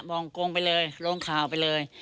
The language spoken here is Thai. องกงไปเลยลงข่าวไปเลย